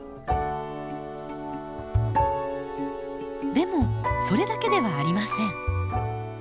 でもそれだけではありません。